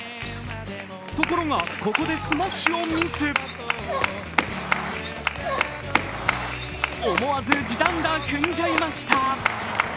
ところが、ここでスマッシュを見せ思わず地団駄踏んじゃいました。